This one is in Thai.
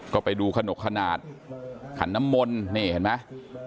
ก็ไปดูขนกขนาดขันน้ำมนต์นี่เห็นไหม